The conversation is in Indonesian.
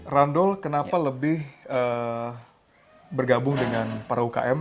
randol kenapa lebih bergabung dengan para ukm